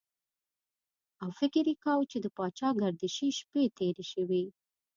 او فکر یې کاوه چې د پاچاګردشۍ شپې تېرې شوې.